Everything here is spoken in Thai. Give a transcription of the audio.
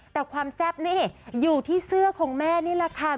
แต่ความแซ่บนี่อยู่ที่เสื้อของแม่ใช่ไหมดีกิน๙๙๕